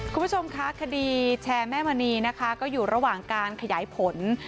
คุณผู้ชมคะคดีแชร์แม่มณีนะคะก็อยู่ระหว่างการขยายผล